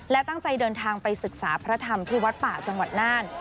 และตั้งใจเดินทางไปศึกษาพระธรรมที่วัดป่าจังหวัดน่าน